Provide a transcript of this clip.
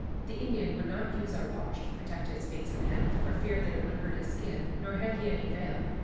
The Indian would not use our wash to protect his face and hands, for fear that it would hurt his skin, nor had he any veil.